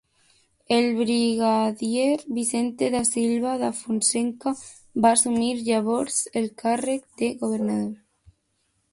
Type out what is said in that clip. El brigadier Vicente da Silva da Fonseca va assumir llavors el càrrec de governador.